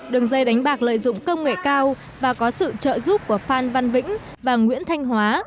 đường dây đánh bạc lợi dụng công nghệ cao và có sự trợ giúp của phan văn vĩnh và nguyễn thanh hóa